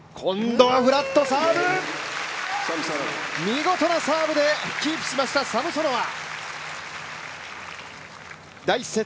見事なサーブでキープしましたサムソノワ。